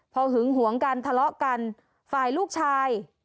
พอหึงหวงกันทะเลาะกันฝ่ายลูกชาย